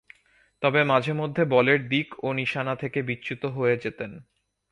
তবে মাঝে-মধ্যে বলের দিক ও নিশানা থেকে বিচ্যুত হয়ে যেতেন।